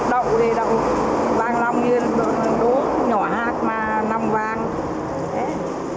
đậu thì đậu vàng lòng như đỗ nhỏ hạt mà lòng vàng